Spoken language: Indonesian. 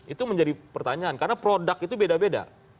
itu menjadi pertanyaan karena produk itu beda beda